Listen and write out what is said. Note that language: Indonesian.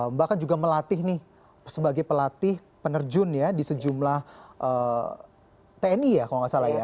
mbak kan juga melatih nih sebagai pelatih penerjun ya di sejumlah tni ya kalau nggak salah ya